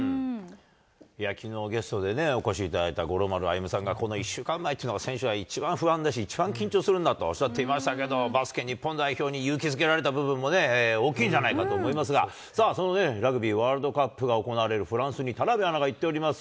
きのう、ゲストでお越しいただいた五郎丸歩さんが、この１週間前っていうのが、選手は一番不安だし、一番緊張するんだとおっしゃっていましたけど、バスケ日本代表に勇気づけられた部分も大きいんじゃないかと思いますが、さあ、そのね、ラグビーワールドカップが行われるフランスに、田辺アナが言っております。